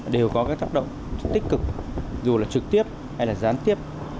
đều có cái tác động tích cực dù là trực tiếp hay là gián tiếp